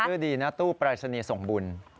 ชื่อดีนะตู้ปรายศนีย์ส่งบุญ